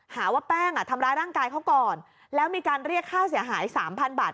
หาว่าแป้งอ่ะทำร้ายร่างกายเขาก่อนแล้วมีการเรียกค่าเสียหาย๓๐๐บาท